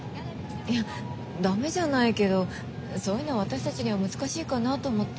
いやダメじゃないけどそういうの私たちには難しいかなと思って。